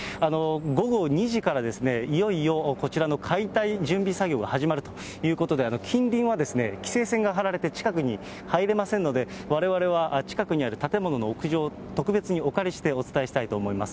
午後２時から、いよいよこちらの解体準備作業が始まるということで、近隣は規制線が張られて近くに入れませんので、われわれは近くにある建物の屋上を特別にお借りしてお伝えしたいと思います。